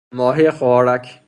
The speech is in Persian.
ماهی خوارک